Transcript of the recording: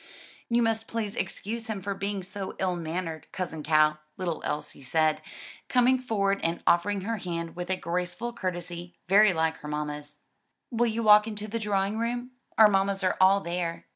"You must please excuse him for being so ill mannered, Cousin Cal," little Elsie said, coming forward and offering her hand with a graceful courtesy very like her mamma's. "Will you walk into the drawing room? our mammas are all there."